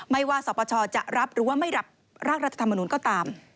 ไม่ว่าสปชจะรับหรือว่าไม่รับร่างรัฐธรรมนุนก็ตาม